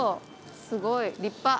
すごい立派。